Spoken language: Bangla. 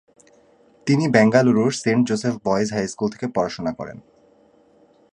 তিনি বেঙ্গালুরুর Saint Joseph Boys High School থেকে পড়াশোনা করেন।